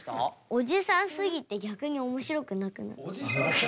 おじさんすぎて逆におもしろくなくなった。